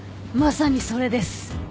まさにそれです。